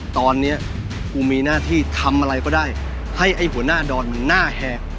ตอนนี้กูมีหน้าที่ทำอะไรก็ได้ให้ไอ้หัวหน้าดอนมันหน้าแหก